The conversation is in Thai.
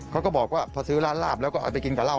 เขาก็บอกว่าพอซื้อร้านลาบแล้วก็เอาไปกินกับเหล้า